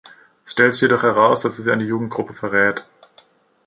Es stellt sich jedoch heraus, dass er sie an die Jugendgruppe verrät.